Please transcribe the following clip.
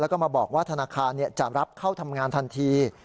แล้วก็มาบอกว่าธนาคารจะรับเข้าทำงานทันที